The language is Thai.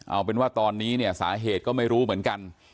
เอาเป็นว่าตอนนี้เนี่ยสาเหตุก็ไม่รู้เหมือนกัน